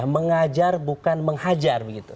mengajar bukan menghajar